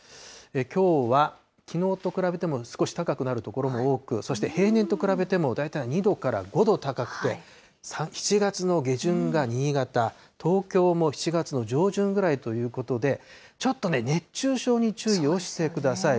きょうはきのうと比べても少し高くなる所も多く、そして平年と比べても、大体２度から５度高くて、７月の下旬が新潟、東京も７月の上旬ぐらいということで、ちょっとね、熱中症に注意をしてください。